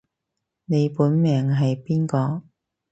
你本命係邊個